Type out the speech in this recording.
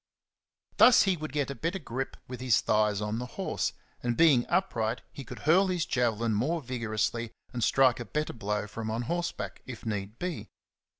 Thus he would get a better grip with his thighs on the horse, and, being upright, he could hurl his javelin more vigorously and strike a better blow from on horseback, if need be.